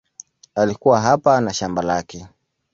Alikuwa hapa na shamba lake.